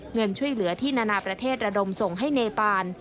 เงินช่วยเหลือที่นานาประเทศระดมส่งให้เนปาน